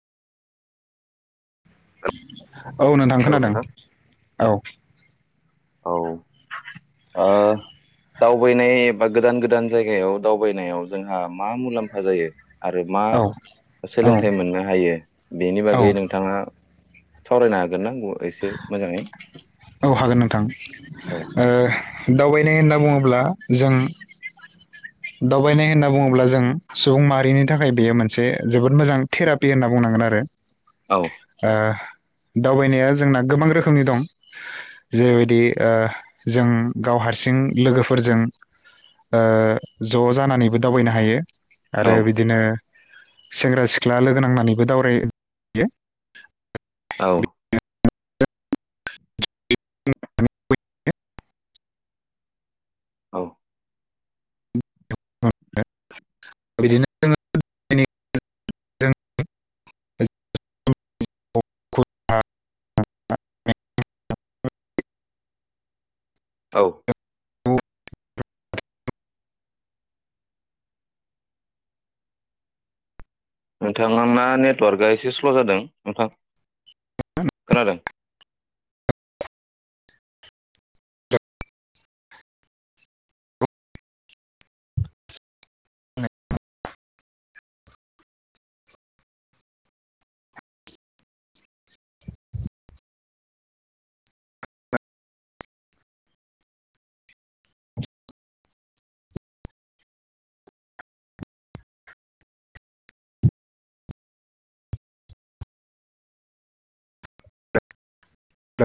औ नोंथां खोनादों औ। औ ओ दावबायनाय बा गोदान गोदान जायगायाव दावबायनायाव जोंहा मा मुलाम्फा जायो? आरो मा औ औ सोलोंथाइ मोननो हायो बेनि औ बागै नोंथाङा सावरायनो हागोन नांगौवा एसे मोजाङै औ हागोन नोंथां औ ओ दावबाय माने होनना बुङोब्ला जों दावबायनाय होनना बुङोब्ला जों सुबुं माहारिनि थाखाय बेयो मोनसे जोबोद मोजां थेरापि होनना बुंनांगोन आरो औ ओ। दावबायनाया जोंना गोबां रोखोमनि दं जेरैबायदि जों गाव हारसिं लोगोफोरजों ओ ज' जानानैबो दावबायनो हायो। आरो औ बिदिनो, सेंग्रा सिख्ला लोगो नांनानैबो दावरायहैयो। औ। बिदिनो [unintelligible] औ। जोङो नोंथांना नेटवार्कआ एसे स्लव जादों नोंथां खोनादों